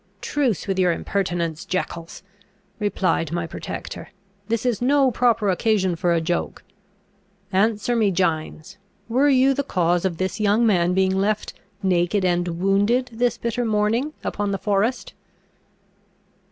"Truce with your impertinence, Jeckols!" replied my protector: "this is no proper occasion for a joke. Answer me, Gines, were you the cause of this young man being left naked and wounded this bitter morning upon the forest?"